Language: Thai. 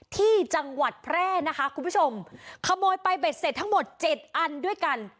ที่จังหวัดแพร่นะคะคุณผู้ชมขโมยไปเบ็ดเสร็จทั้งหมดเจ็ดอันด้วยกัน